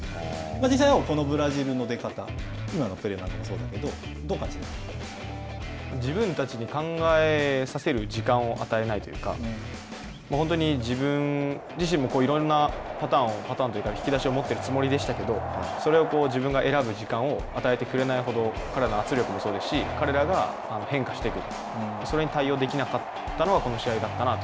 実際、碧、このブラジルの出方、今のプレーなんかもそうだけど自分たちに考えさせる時間を与えないというか、本当に自分自身もいろんなパターンというか引き出しを持っているつもりでしたけれども、それを自分が選ぶ時間を与えてくれないほど彼らの圧力もそうですし、彼らが変化していく。